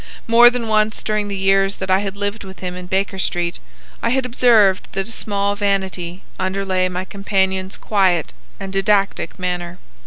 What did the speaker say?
More than once during the years that I had lived with him in Baker Street I had observed that a small vanity underlay my companion's quiet and didactic manner.